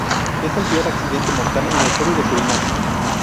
Es el peor accidente mortal en la historia de Surinam.